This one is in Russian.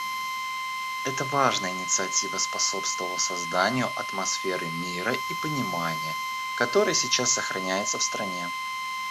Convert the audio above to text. Эта важная инициатива способствовала созданию атмосферы мира и понимания, которая сейчас сохраняется в стране.